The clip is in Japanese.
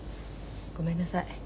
ごめんなさい。